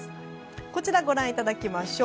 こちら、ご覧いただきましょう。